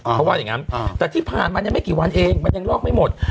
เขาว่าอย่างนั้นแต่ที่ผ่านมายังไม่กี่วันเองมันยังลอกไม่หมด